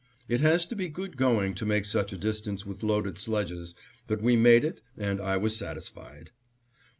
It has to be good going to make such a distance with loaded sledges, but we made it and I was satisfied.